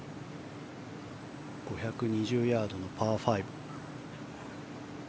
５２０ヤードのパー５。